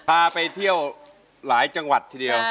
พาไปเที่ยวหลายจังหวัดทีเดียว